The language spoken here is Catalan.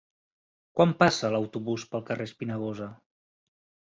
Quan passa l'autobús pel carrer Espinagosa?